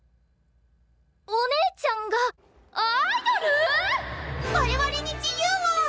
お姉ちゃんがアイドル⁉我々に自由を！